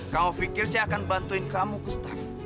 kamu pikir saya akan bantuin kamu gustaf